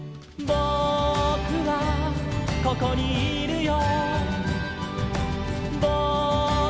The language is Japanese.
「ぼくはここにいるよ」